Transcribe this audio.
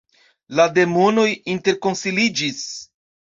La demonoj interkonsiliĝis.